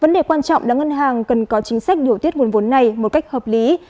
vấn đề quan trọng là ngân hàng cần có chính sách điều tiết nguồn vốn này một cách hợp lý